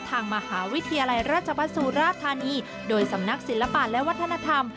ทางมหาวิทยาลัยราชบัสสุราธานีโดยสำนักศิลปะและวัฒนธรรม